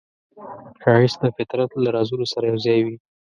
ښایست د فطرت له رازونو سره یوځای وي